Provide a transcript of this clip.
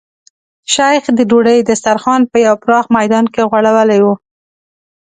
شیخ د ډوډۍ دسترخوان په یو پراخ میدان کې غوړولی و.